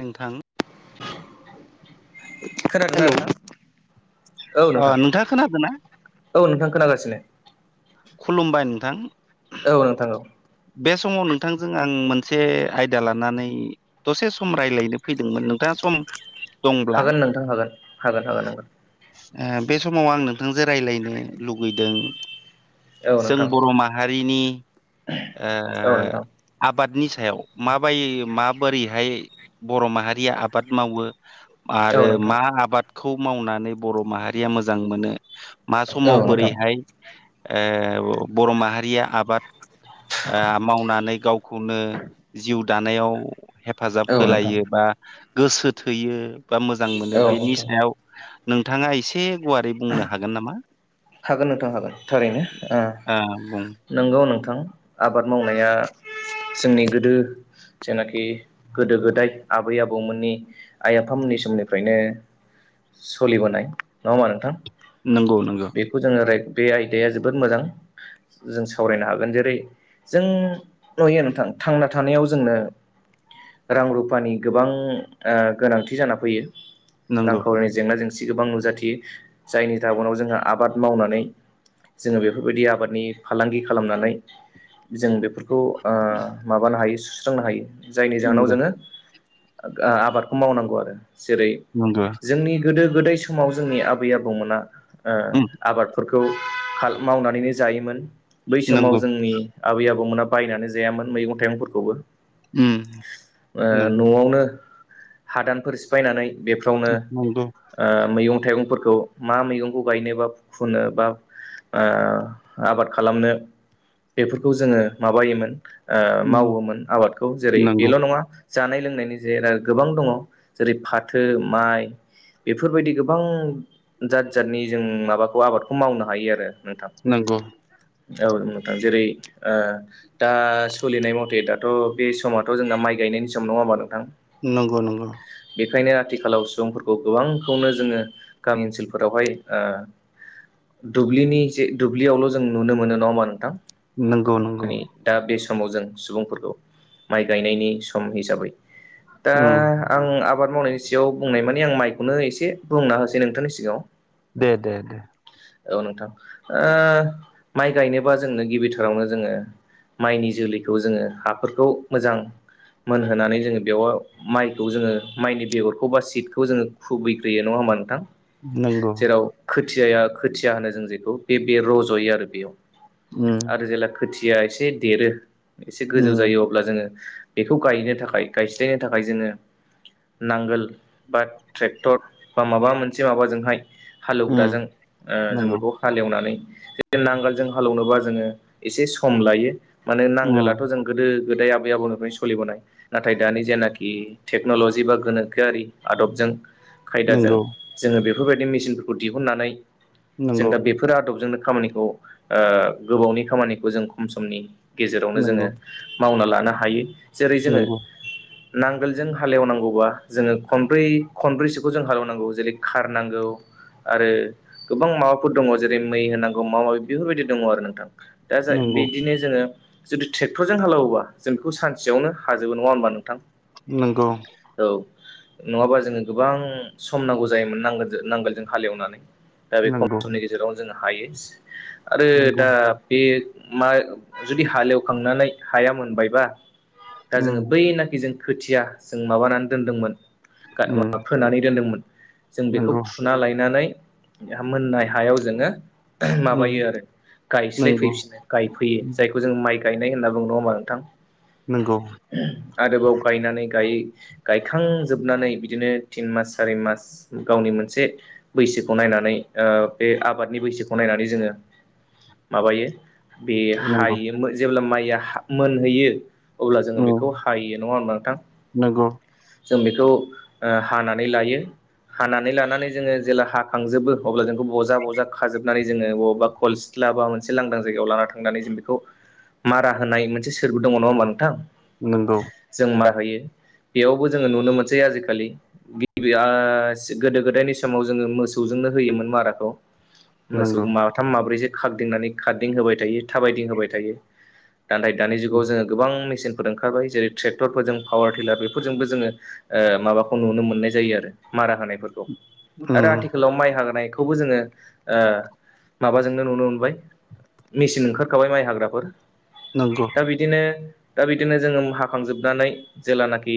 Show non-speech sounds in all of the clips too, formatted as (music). नोंथां। खोनादोंना हेलौ नोंथां। औ ओ नोंथां नोंथाङा खोनादों ना? औ नोंथां खोनागासिनो। खुलुमबाय नोंथां। औ नोंथां औ बे समाव नोंथांजों आं मोनसे आयदा लानानै दसे सम रायलायनो फैदोंमोन। नोंथाङा सम। दंब्ला हागोन नोंथां हागोन हागोन हागोन हागोन। ओ बे समाव आं नोंथांजों रायलायनो लुगैदों। औ जों नोंथां बर' माहारिनि ओ औ नोंथां आबादनि सा। सायाव माबाय माबोरैहाय बर' माहारिया आबाद मावो। औ आरो नोंथां मा आबादखौ मावनानै बर' माहारिया मोजां मोनो। मा औ समाव नोंथां औ नोंथां बोरैहाय ओ बर' माहारिया आबाद। ओ मावनानै गावखौनो जिउ दानायाव। हेफाजाब औ नोंथां होलायो बा गोसो थोयो बा मोजां मोनो बेनि सायाव। नोंथाङा एसे गुवारै बुंनो हागोन नामा। हागोन नोंथां हागोन थारैनो ओ नंगौ नोंथां। थां आबाद मावनाया जोंनि गोदो। जेनाखि गोदो गोदाय आबै आबौमोननि आइ आफामोननि समनिफ्रायनो। सोलिबोनाय नङा होनबा नोंथां नंगौ नों बेखौ जोङो बे आयदाया जोबोद मोजां जों सावरायनो हागोन जेरै जों नुयो नोंथां थांना थानायाव जोंनो रां रुफानि गोबां ओ गोनांथि जाना फैयो नंगौ रांखावरिनि जेंना जेंसि गोबां नुजाथियो जायनि जाउनाव जोंहा आबाद मावनानै जोङो बेफोरबायदि आबादनि फालांगि खालामनानै जों बेफोरखौ ओ माबानो हायो सुस्रांनो हायो जायनि जाहोनाव नंगौ जोङो आबादखौ मावनांगौ आरो जेरै नंगौ जोंनि गोदो गोदाइ समाव जोंनि आबै आबौमोना ओ उम आबादफोरखौ खौ मावनानैनो जायोमोन बै समाव नंगौ जोंनि आबै आबौमोना बायनानै जायामोन मैगं थाइगंफोरखौबो ओ न'आवनो हादानफोर सिफायनानै बेफ्रावनो ओ मैगं थाइगंफोरखौ मा मैगं खौ गायनो बा फुनो बा ओ आबाद खालामनो बेफोरखौ जोङो माबायोमोन ओ उम मावोमोन आबादखौ जेरै नंगौ बेल' नङा जानाय लोंनायनि जेराव गोबां दङ जेरै फाथो माइ बेफोरबायदि गोबां जा जादनि जों माबाखौ आबादखौ मावनो हायो आरो नोंथां नंगौ औ नोंथां जेरै ओ दा सोलिनाय मथे दाथ' बे समाथ' जोंना माइ गायनायनि सम नङा होनबा नोंथां नंगौ नंगौ बेखायनो आथिखालाव सुबुंफोरखौ गोबांखौनो जोङो गामि ओनसोल फोरावहाय ओ दुब्लिनि जे दुब्लियावल' जों नुनो मोनो नङा होमबा नोंथां नंगौ नंगौ दा बे समाव जों सुबुंफोरखौ माइ गायनायनि सम हिसाबै दा उम आं आबाद मावनायनि सा याव बुंनाय माने आं माइखौनो एसे बुंना होसै नोंथांनि सिगाङाव दे दे दे औ नोंथां ओ माइ गायनोबा जोंनो गिबिथारावनो जोङो माइनि जोलैखौ जोङो हाफोरखौ मोजां मोनहोनानै जोङो बेयाव माइखौ जोङो माइनि बेगरखौ बा सिटखौ जोङो खुबैग्रोयो नङा हो नबा नोंथां नंगौ जेराव खोथियाया खोथिया होनो जों जेखौ बे बे रज'यो आरो बेयाव उम आरो जेला खोथिया एसे देरो एसे गोजौ उम जायो अब्ला जोङो बेखौ गायनो थाखाय गायस्लायनो थाखाय जोङो नांगोल बा ट्रेक्टर बा माबा मोनसे माबाजोंहाय हालेवग्राजों उम ओ जों नंगौ बेखौ हालेवनानै जे नांगोलजों हालेवनोबा जोङो एसे सम लायो माने नांगोलाथ' उम जों गोदो गोदाय आबै आबौनिफ्रायनो स'लिबोनाय नाथाय दानि जेनाखि टेक्न'ल'जि बा गोनोखोआरि आदबजों खायदाजों नंगौ जोङो बेफोरबायदि मेसिनफोरखौ दिहुननानै जों नंगौ दा बेफोर आदबजोंनो खामानिखौ ओ गोबावनि खामानिखौ जों खम समनि गेजेरावनो जोङो नंगौ मावना लानो हायो जेरै जोङो नंगौ नांगोलजों हालेवनांगौबा जोङो खनब्रै खनब्रैसोखौ जों हालेवनांगौ जेरै खार नांगौ आरो गोबां माबाफोर दङ जेरै मै होनांगौ मा माबि बेफोरबायदि दङ आरो नोंथां दा जा नंगौ बिदिनो जोङो जुदि ट्रेक्टरजों हालौवोबा जों बेखौ सानसेयावनो हाजोबो नङा होनबा नोंथां नोंगौ औ नङाबा जोङो गोबां सम नांगौ जायोमोन नांगोल नांगोलजों हालेवनानै दा बे खम नंगौ समनि गेजेरावनो जों हायो आरो नंगौ दा बे मा जुदि हालेवखांनानै हाया मोनबायबा दा उम जोङो बैनाखि जों खोथिया जों माबानानै दोन्दोंमोन उम फोनानै दोन्दोंमोन जों बेखौ नंगौ गायनानै मोननाय हायाव जोङो उम माबायो आरो गायस्लाय नंगौ फैफिनो गायफैयो उम जायखौ जों माइ गायनाय होनना बुंङो नङा होमबा नोंथां नंगौ आरोबाव गायनानै गाय गायखांजोबनानै बिदिनो तिन मास सारि मास गावनि मोनसे मोनसे बैसोखौ नायनानै ओ बे आबादनि बैसोखौ नायनानै जोङो माबायो बे नंगौ हायो जेब्ला माइया मोनहैयो अब्ला जोङो बेखौ उम हायो नङा होनबा नोंथां नंगौ जों बेखौ ओ हानानै लायो हानानै लानानै जोङो जेला ह खांजोबो अब्ला जोंखौ बजा ब'जा खाजोबनानै जोङो बबेबा खल सिथ्ला बा मोनसे लां जाय जायगायाव लाना थांनानै जों बेखौ मारा होनाय मोनसे सोरबो दङ नङा होनबा नोंथां नंगौ थायो बेयावबो जोङो नोनो मोनसै आजिकालि गिबिया सि गोदो गोदायनि समाव जोङो मोसौजोंनो होयोमोन माराखौ मोसौ नंगौ माथाम माब्रैसो खारदिंनानै खारदिंहोबाय थायो थाबायदिं होबाय जायों दानबाय दानि जुगाव जों गोबां मिसिन ओंखारबाय जेरै ट्रेक्टरफोरजों पावार टिलार बेफोरजोंबो जोङो ओ माबाखौ नुनो मोननाय जायो आरो मारा हफोरखौ आरो उम आथिखालाव माइ हानायखौ खौबो जोङो ओ माबाजोंनो नुनो मोनबाय मेसिन ओंखारखाबाय माइ हाग्राफोर नंगौ दा बिदिनो दा बिदिनो जोङो हा खांजोबनानै जेेलानाखि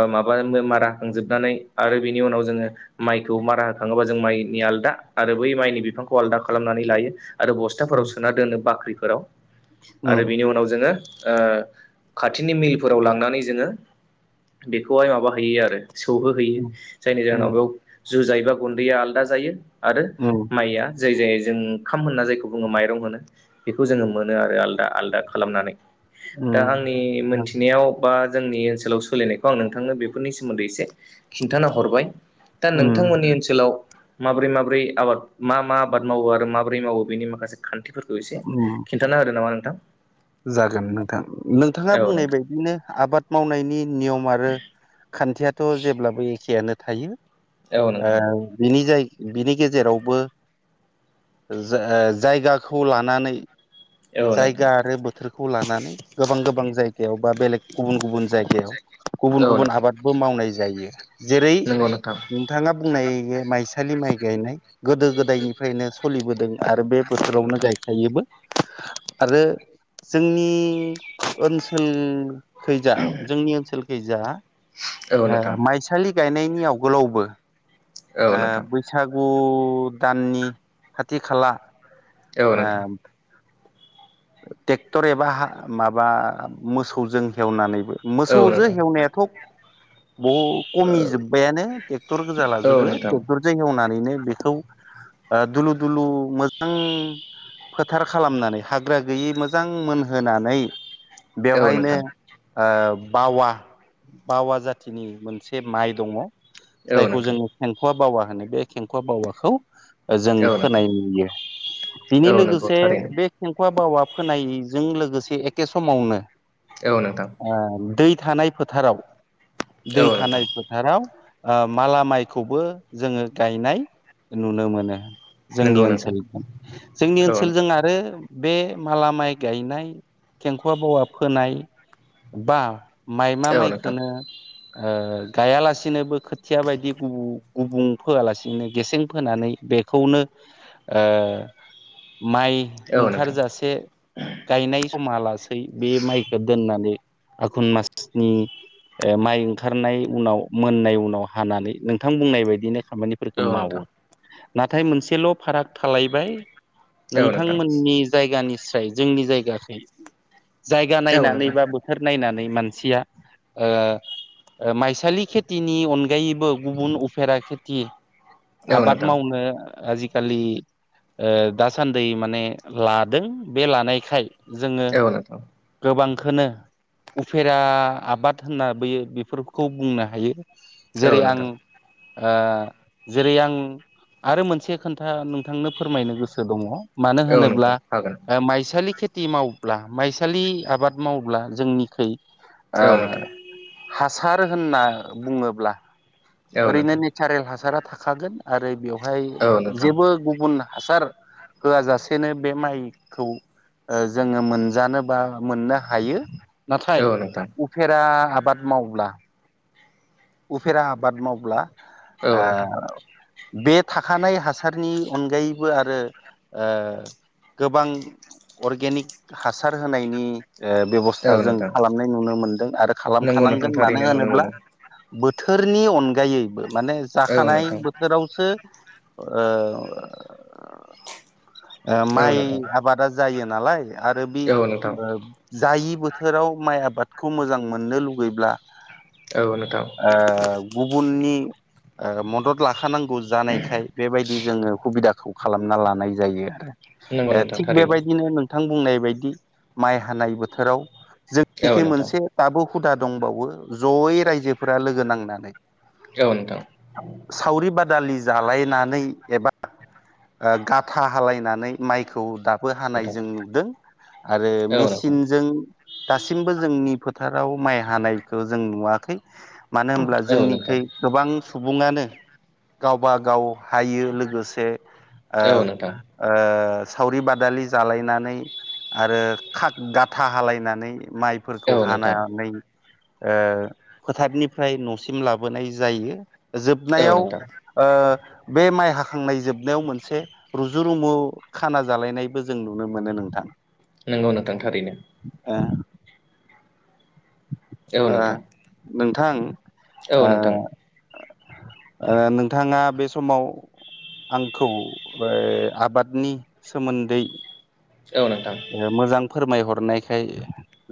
ओ माबा मारा खांजोबनानै आरो बिनि उनाव जोङो माइ खौ मारा होखाङोबा जों माइनि आलदा आरो बै माइनि बिफांखौ आलादा खालामनानै लायो आरो बस्थाफोराव उम सोना दोनो बाख्रिफोराव आरो बिनि उम उनाव जोङो ओ खाथिनि मिलफोराव लांनानै जोङो बेखौहाय माबाहैयो आरो सौहोहैयो जायनि जाहोनाव उम बेयाव जुजाय बा गुन्दैया आलादा जायो आरो उम माइया जाय जाय जों ओंखाम होनना जायखौ बुङो माइरं होनो बेखौ जोङो मोनो आरो आलादा आलादा खालामनानै दा आंनि उम मोनथिनायाव बा जोंनि ओनसोलाव सोलिनायखौ आं नोंथांनो बेफोरनि सोमोन्दै एसे खिन्थाना हरबाय दा उम नोंथांमोननि ओनसोलाव माब्रै माब्रै आबाद मा मा आबाद मावो आरो माबोरै मावो बेनि माखासे खान्थिफोरखौ एसे उम खिन्थाना होदो नामा नोंथां जागोन नोंथां नोंथाङा औ बुंनाय नोंथां बायदिनो आबाद मावनायनि नियमा रो थ' जेब्लाबो एखेयानो थायो औ ओ नोंथां बिनि जाय बिनि गेजेरावबो जायगाखौ लानानै औ नोंथां जायगा आरो बोथ थोरखौ लानानै गोबां गोबां जायगायाव बा बेलेग गुबुन गुबुन जायगायाव गुबुन औ गुबुन नोंथां आबादबो मावनाय जायो जेरै नंगौ नोंथां नोंथाङा बुंनायायो माइसालि माइ गायनाय। गोदो गोदायनिफ्रायनो सलिबोदों आरो बे औ बोथोरावनो नोंथां गायखायोबो। आरो जोंनि ओनसोल खैजा जोंनि ओनसोल खैजा औ अ नोंथां माइसालि गायनायनि आगोवलावबो औ नोंथां औ अ नोंथां बैसागु गु दाननि खाथि खाला औ नोंथां औ नोंथां औ आ नोंथां ट्रेक्टर एबा हा माबा मोसौजों हेवनानैबो औ मोसौजों नोंथां हेवनायाथ' बहु खमिजोब्बायानो ट्रेक्टर गोजा लाजोबो ट्रेक्टर हेवनानैनो बेखौ अ दुलु दुलु मोजां फोथार खालामनानै हा ग्रा गैयि मोजां मोनहोनानै बेवहायनो ओ बावा बावा जाथिनि मोनसे माइ दङ'। औ जायखौ नोंथां जोङो खेंखुवा बावा होनो बे खेंखुवा बावाखौ जों फोनाय नुयो बिनि औ नोंगौ लोगोसे थारैनो बे बावा फोनायजों लोगोसे एखे समावनो औ नोंथां ओ दै थानाय फोथाराव दै औ नोंथां थानाय फोथाराव ओ माला माइखौबो जोङो गायनाय नुनो मोनो। जोंनि नंगौ नोंथां ओनसोलजों जोंनि औ नोंथां ओनसोलजों आरो बे माला माइ गायनाय खेंखुवा बावा फोनाय बा माइमा औ नोंथां माइखोनो ओ गायालासिनोबो खोथिया बायदि गुब गुबुं फोआलासिनो गेसें फोनानै बेखौनो ओ माइ औ नोंथां ओंखारजासे गायनाय समा लासै बे माइखौ दोननानै आघुन मासनि माइ ओंखारनाय उनाव मोननाय उनाव हानानै नोंथां बुंनाय बायदिनो खामानिफोरखौ औ मावो नोंथां नाथाय मोनसेल' फाराग थालायबाय एव नोंथां। जोंनि जायगानिस्राय जोंनि जायगाखो जायगा औ नायनानै नोंथां बा बोथोर नायनानै नै मानसिया ओ ओ माइसालि खेथिनि अनगायैबो गुबुन उफेरा खेथि औ आबाद नोंथां मावनो आजिखालि ओ दासान्दै माने लादों बे लानायखाय जोङो औ नोंथां गोबां खोनो उफेरा आबाद होनना बोयो बेफोरखौ बुंनो हायो। जेरै औ आं नोंथां ओ जेरै आं आरो मोनसे खोन्था नोंथांनो फोरमायनो गोसो दङ'। मानो औ होनोब्ला नोंथां हागोन माइसालि खेत ति मावब्ला माइसालि आबाद मावब्ला जोंनिखै ओ औ नोंथां हा सार होनना बुङोब्ला औ ओरैनो नोंथां नेचारेल हासारा थाखागोन आरो बेयाव बेवहाय औ नोंथां जेबो गुबुन हासार होआ जाासेनो बे माइखौ जोङो मोनजानो बा मोननो हायो। नाथाय औ नोंथां उफेरा आबाद मावब्ला उफेरा आबाद मावब्ला औ नोंथां ओ बे थाखानाय हास सारनि अनगायै बो आरो ओ गोबां अर्गेनिक हासार होनायनि ओ बेब'स्था औ जों नोंथां खालामनाय नुनो मोनदों आरो नंगौ नोंथां खालामखानांगोन मानो थारैनो नुनो मोनो होनोब्ला बोथोरनि अनगायैबो माने औ जाखानाय नोंथां बोथोरावसो ओ औ माइ नोंथां आबादा जायो नालाय आरो बि औ नोंथां ओ जायि बोथोराव माइ आबादखौ मोजां मोननो लुगैब्ला औ नोंथां ओ गुबुननि मदद लाख थानांगौ जानायखाय बेबायदि जोङो खुबिदाखौ खालामना लानाय जायो आरो। नंगौ ए नोंथां थिग थारैनो बेबायदिनो नों थां बुंनाय बायदि माइ हानाय बोथोराव औ जोंनिखि नोंथां मोनसे थाबु हुदा दंबावो जयै रायजोफोरा लोगो नांनानै औ नोंथां सावरि बादालि जालायनानै एबा गाथा हालायनानै माइखौ दाब बो हानाय जों नुदों आरो नोंथां औ नोंथां मेसिनजों दासिमबो जोंनि फो फोथाराव माइ हानायखौ जों नुवाखै मानो होनब्ला औ नोंथां जोंनिखै गोबां सुबुङानो गावबा गाव हायो लोगोसे ओ औ नोंथां ओ सावरि बादालि जालायनानै आरो खाथ गाथा हालायनानै। माइफोरखौ औ नोंथां हानानै। फोथारनिफ्राय न'सिम लाबोनाय जायो औ जोबनायाव नोंथां बे माइ हाखांनाय जोबनायाव मोनसे रुजु रुमु खाना जालायनायबो जों नुनो मोनो नोंथां नंगौ नोंथां थारैनो ओ औ ओ नोंथां। नोंथां ओ औ नोंथां ओ नोंथाङा बे समाव आंखौ ओ आबादनि सोमोन्दै औ नोंथां मोजां फोरमायहरनायखाय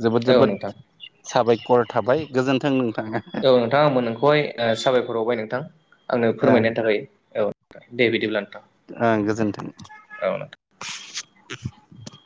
जोबोद औ जोबोद। नोंथां साबायखर थाबाय गोजोन्थों नोंथां औ नोंथां आंबो नोंखौहाय साबायखर बावबाय नोंथां आंनो ओं फोरमायनायनि थाखाय औ दे बिदिब्ला नोंथां ओं गोजोनथों। (unintelligible)